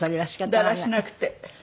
だらしなくて。